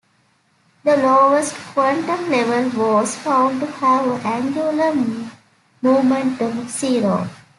The lowest quantum level was found to have an angular momentum of zero.